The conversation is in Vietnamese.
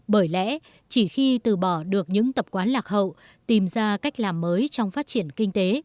bởi lẽ chỉ khi từ bỏ được những tập quán lạc hậu tìm ra cách làm mới trong phát triển kinh tế